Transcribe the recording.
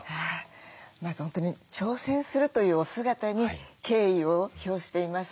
まず本当に挑戦するというお姿に敬意を表しています。